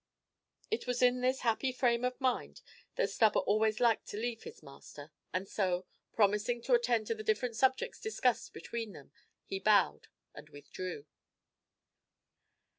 It was in this happy frame of mind that Stubber always liked to leave his master; and so, promising to attend to the different subjects discussed between them, he bowed and withdrew.